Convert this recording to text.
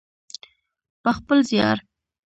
په خپل زیار.